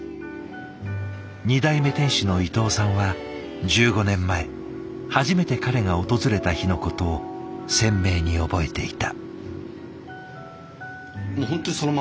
２代目店主の伊藤さんは１５年前初めて彼が訪れた日のことを鮮明に覚えていた。